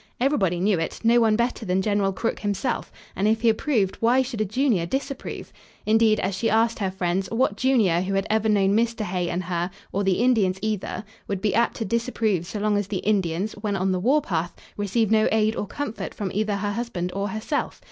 Everybody knew it; no one better than General Crook himself, and if he approved why should a junior disapprove? Indeed, as she asked her friends, what junior who had ever known Mr. Hay and her, or the Indians either, would be apt to disapprove so long as the Indians, when on the warpath, received no aid or comfort from either her husband or herself?